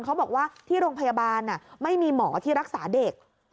เขาบอกว่าที่โรงพยาบาลไม่มีหมอที่รักษาเด็ก